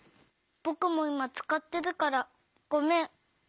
ぼくもいまつかってるからごめん。